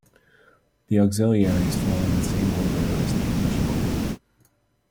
The auxiliaries follow the same word order as the English equivalent.